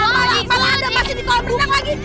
malah adam masih di kolam renang lagi